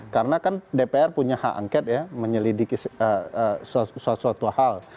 karena kan dpr punya hak angket ya menyelidiki suatu hal